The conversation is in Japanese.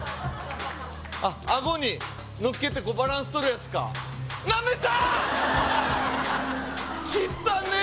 あっ顎に乗っけてバランス取るやつかなめた！